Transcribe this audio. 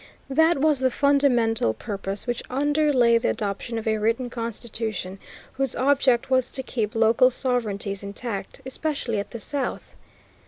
That was the fundamental purpose which underlay the adoption of a written constitution whose object was to keep local sovereignties intact, especially at the South.